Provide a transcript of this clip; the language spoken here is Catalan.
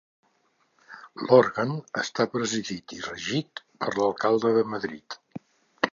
L'òrgan està presidit i regit per l'Alcalde de Madrid.